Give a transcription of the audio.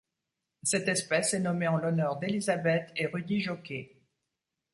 Cette espèce est nommée en l'honneur d'Elizabeth et Rudy Jocqué.